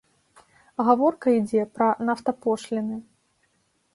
Гаворка ідзе пра нафтапошліны.